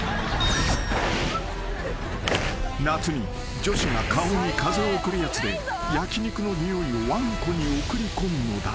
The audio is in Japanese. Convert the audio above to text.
［夏に女子が顔に風を送るやつで焼き肉のにおいをわんこに送り込むのだ］